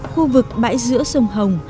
khu vực bãi giữa sông hồng